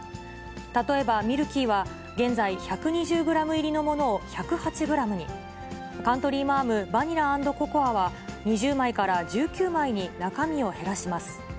例えばミルキーは、現在、１２０グラム入りのものを１０８グラムに、カントリーマアムバニラ＆ココアは、２０枚から１９枚に中身を減らします。